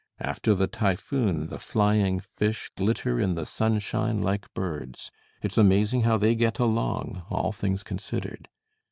After the typhoon, the flying fish glitter in the sunshine like birds. It's amazing how they get along, all things considered.